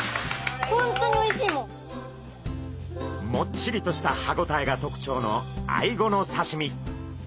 もっちりとした歯ごたえが特徴のアイゴの刺身。